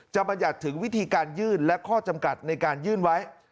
บรรยัติถึงวิธีการยื่นและข้อจำกัดในการยื่นไว้